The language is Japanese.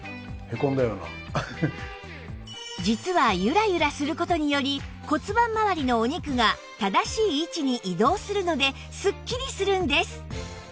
実はゆらゆらする事により骨盤まわりのお肉が正しい位置に移動するのですっきりするんです